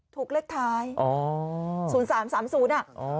ถูกเลขท้ายอ๋อศูนย์สามสามศูนย์น่ะอ๋อ